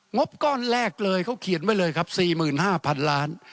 บก้อนแรกเลยเขาเขียนไว้เลยครับ๔๕๐๐๐ล้าน